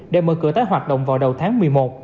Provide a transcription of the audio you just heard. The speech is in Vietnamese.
để mở cửa tái hoạt động vào đầu tháng một mươi một